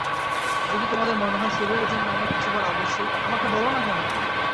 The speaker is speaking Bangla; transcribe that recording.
যদি তোমাদের মনে হয় শরীরের জন্য আমার কিছু করা আবশ্যক, আমাকে বলো-না কেন?